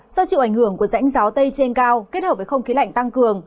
do chịu ảnh hưởng của rãnh gió tây trên cao kết hợp với không khí lạnh tăng cường